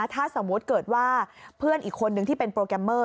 ถ้าสมมุติเกิดว่าเพื่อนอีกคนนึงที่เป็นโปรแกรมเมอร์